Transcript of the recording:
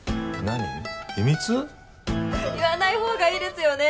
言わないほうがいいですよね？